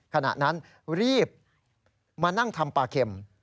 ขณะนั้นรีบมานั่งทำปลาเข็ม